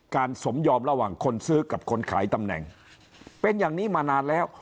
สมยอมระหว่างคนซื้อกับคนขายตำแหน่งเป็นอย่างนี้มานานแล้ว